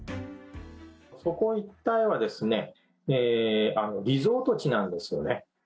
そこ一帯は、リゾート地なんですよね。